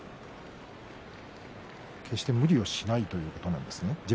決して無理をしないということなんですね。